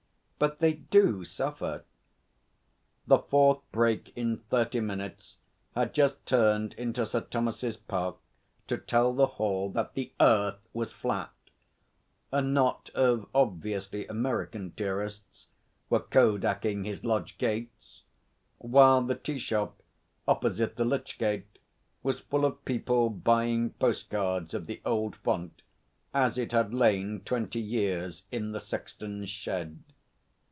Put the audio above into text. But they do suffer.' The fourth brake in thirty minutes had just turned into Sir Thomas's park to tell the Hall that 'The Earth was flat'; a knot of obviously American tourists were kodaking his lodge gates; while the tea shop opposite the lych gate was full of people buying postcards of the old font as it had lain twenty years in the sexton's shed.